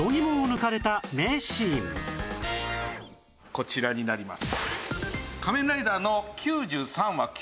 こちらになります。